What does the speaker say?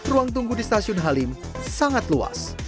ruang tunggu di stasiun halim sangat luas